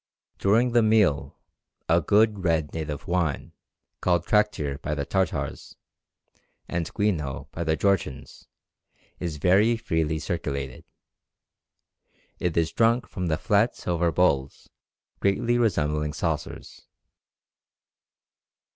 During the meal a good red native wine, called traktir by the Tartars, and ghwino by the Georgians, is very freely circulated. It is drunk from flat silver bowls greatly resembling saucers.